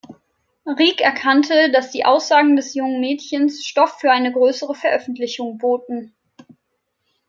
Rieck erkannte, dass die Aussagen des jungen Mädchens Stoff für eine größere Veröffentlichung boten.